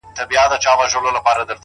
هره ناکامي د پوهې نوې کړکۍ ده.!